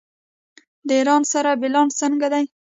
د ایران سره بیلانس څنګه دی؟